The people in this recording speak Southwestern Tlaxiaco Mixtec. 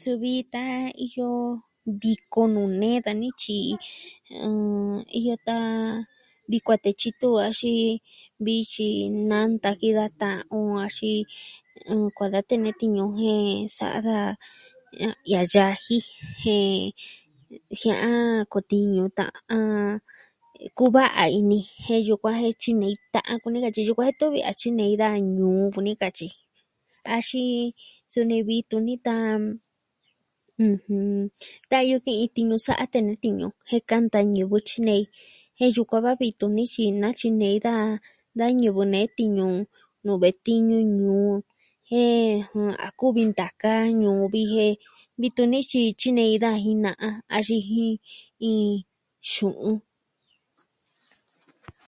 Suu vi tan iyo, viko nuu nee dani tyi iyo tan vi kuatee tyitu ju axin vi tyi nanta ki da tan o axin nkua'an da tee ne tiñu jen sa'a daja a yaji jen, jia'a kotiñu ta'an kuva'a a ini jen yukuan je tyinei ta'an ku nee katyi yukuan je tuvi a tyinei da ñuu vi o ni katyi. Axin suni vi tuni tan, ɨjɨn,tan yuu ki iin tiñu sa'a tee ne tiñu. Jen kanta ñivɨ tyiknei. Jen yukuan va vii tuni axin na tyinei daja. Da ñivɨ nee tiñu nuu ve'i tiñu ñuu jen, a kuvi ntaka ñuu vi jen vii tuni tyi tyinei da jin na'a axin jin iin xu'un.